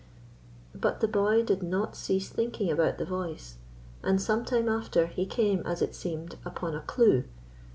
But the boy did not cease thinking about the voice; and some time after he came, as it seemed, upon a clue.